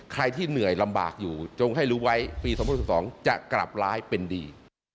ใครที่เหนื่อยลำบากอยู่จงให้รู้ไว้ปี๒๐๑๒จะกลับร้ายเป็นดี